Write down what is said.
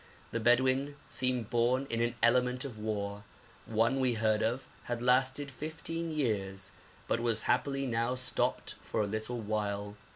The Bedouin seem born in an element of war; one we heard of had lasted fifteen years, but was happily now stopped for a little while.